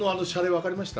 分かりました。